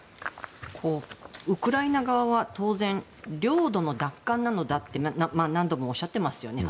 ウクライナ側は当然、領土の奪還なのだって何度もおっしゃってますよね。